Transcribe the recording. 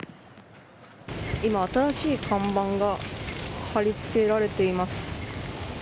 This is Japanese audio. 今、新しい看板が貼り付けられています。